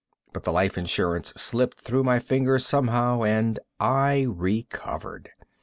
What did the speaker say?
But the life insurance slipped through my fingers somehow, and I recovered.